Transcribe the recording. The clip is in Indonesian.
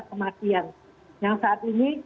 kematian yang saat ini